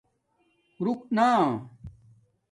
رُݣ نہ